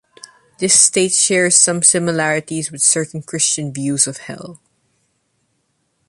This state shares some similarities with certain Christian views of hell.